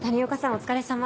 お疲れさま。